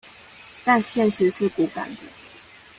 但現實是骨感的